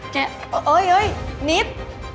เก๊ยนิท